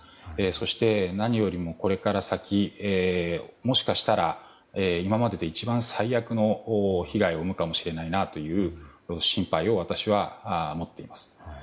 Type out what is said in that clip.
そして、何よりもこれから先もしかしたら今までで一番最悪の被害を生むかもしれないという心配を私は持っています。